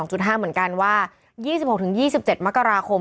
เหมือนกันว่า๒๖๒๗มกราคม